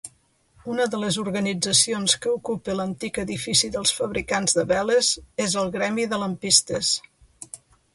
Una de les organitzacions que ocupa l'antic edifici dels fabricants de veles es el gremi de lampistes.